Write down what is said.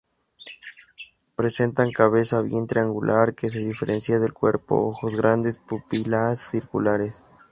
Presentan cabeza bien triangular, que se diferencia del cuerpo, ojos grandes, pupilas circulares.